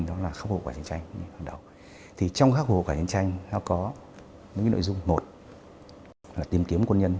thách thức cho công tác khóa bộ quản lý danh này tìm kiếm này